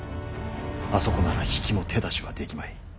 あそこなら比企も手出しはできまい。